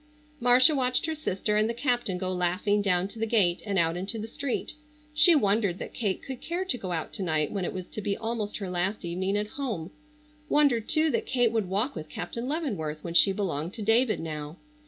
Marcia watched her sister and the captain go laughing down to the gate, and out into the street. She wondered that Kate could care to go out to night when it was to be almost her last evening at home; wondered, too, that Kate would walk with Captain Leavenworth when she belonged to David now.